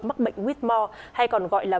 mắc bệnh whitmore hay còn gọi là